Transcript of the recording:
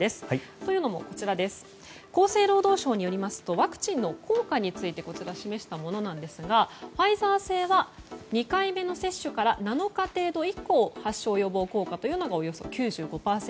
というのも厚生労働省によりますとワクチンの効果について示したものなんですがファイザー製は２回目の接種から７日程度以降発症予防効果というのがおよそ９５％。